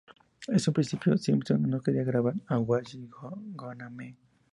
En un principio, Simpson no quería grabar "What's It Gonna Be".